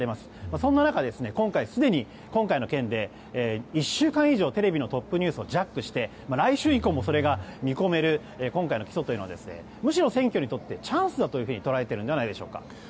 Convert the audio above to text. そんな中、今回すでに今回の件で１週間以上テレビのトップニュースをジャックして、来週以降もそれが見込める今回の起訴というのはむしろ選挙にとってチャンスだと捉えているのではないでしょうか。